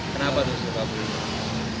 kenapa tuh suka beli